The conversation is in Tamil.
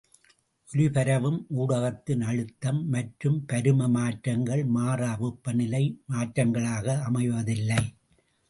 ஒலிபரவும் ஊடகத்தின் அழுத்தம் மற்றும் பரும மாற்றங்கள், மாறா வெப்பநிலை மாற்றங்களாக அமைவதில்லை.